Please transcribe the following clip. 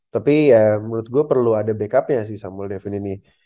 tapi ya menurut gue perlu ada backupnya sih samuel devin ini